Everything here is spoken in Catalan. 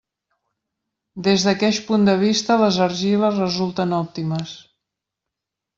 Des d'aqueix punt de vista les argiles, resulten òptimes.